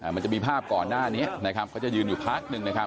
มันจะมีภาพก่อนหน้านี้เขาจะยืนอยู่พักหนึ่ง